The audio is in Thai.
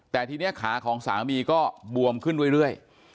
แต่ทีนี้ขาของสามีก็บวมขึ้นเรื่อย